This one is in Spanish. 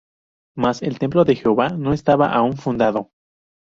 mas el templo de Jehová no estaba aún fundado.